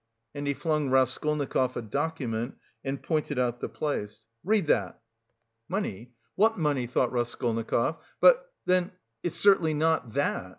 and he flung Raskolnikov a document and pointed out the place. "Read that!" "Money? What money?" thought Raskolnikov, "but... then... it's certainly not that."